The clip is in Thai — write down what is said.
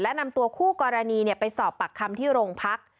และนำตัวคู่กรณีไปสอบปากคำที่โรงพัก